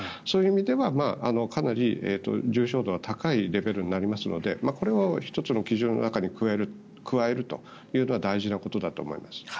そういう意味ではかなり重症度は高いレベルになりますのでこれを１つの基準の中に加えるというのは大事なことだと思います。